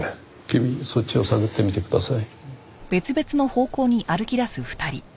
君はそっちを探ってみてください。